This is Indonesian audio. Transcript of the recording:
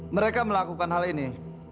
mereka melakukan hal ini